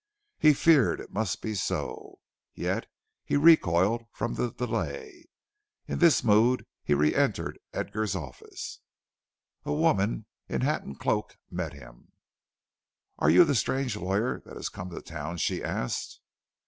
He feared it must be so, yet he recoiled from the delay. In this mood he re entered Edgar's office. A woman in hat and cloak met him. "Are you the stranger lawyer that has come to town?" she asked.